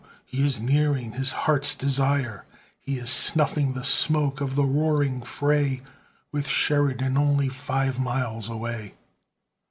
he is nearing his heart's desire; He is snuffing the smoke of the roaring fray, With Sheridan only five miles away.